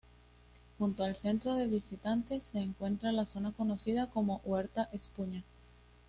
Junto al Centro de visitantes se encuentra la zona conocida como Huerta Espuña.